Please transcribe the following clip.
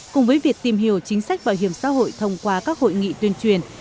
cùng với việc tìm hiểu chính sách bảo hiểm xã hội thông qua các hội nghị tuyên truyền